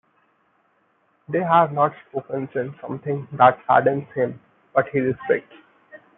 They have not spoken since, something that saddens him but he respects.